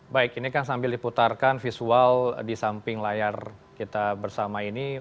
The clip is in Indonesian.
baik ini kan sambil diputarkan visual di samping layar kita bersama ini